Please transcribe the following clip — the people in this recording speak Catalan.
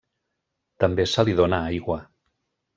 També se li dóna aigua.